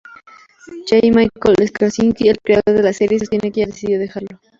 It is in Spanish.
J. Michael Straczynski, el creador de la serie, sostiene que ella decidió dejarlo.